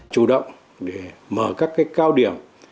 chủ động để mở các cao điểm